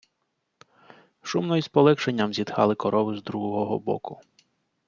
Шумно й з полегшенням зітхали корови з другого боку.